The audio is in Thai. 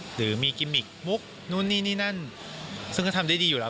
หรือมีกิมมิกมุกนู่นนี่นี่นั่นซึ่งก็ทำได้ดีอยู่แล้ว